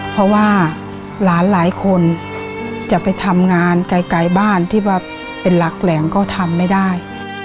เพราะว่าหลานหลายคนจะไปทำงานไกลบ้านที่ว่าเป็นหลักแหล่งก็ทำไม่ได้